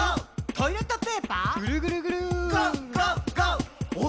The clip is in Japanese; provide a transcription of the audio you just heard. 「トイレットペーパーＧＯＧＯＧＯ」ぐるぐるぐる！